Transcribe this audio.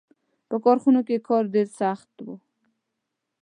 • په کارخانو کې کار ډېر سخت و.